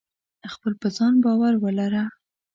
خپل په ځان باور ولره.